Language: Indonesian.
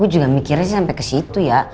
gue juga mikirnya sih sampai ke situ ya